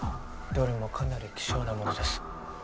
どれもかなり希少なものです。